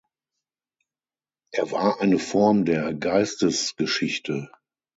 Er war eine Form der Geistesgeschichte.